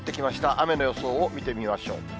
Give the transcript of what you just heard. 雨の予想を見てみましょう。